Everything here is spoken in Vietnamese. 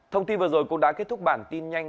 thông tin vừa rồi cũng đã kết thúc bản tin nhanh